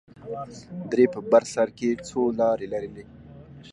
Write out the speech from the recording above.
درې په بر سر کښې څو لارې لرلې.